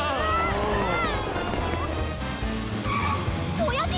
おやじ！？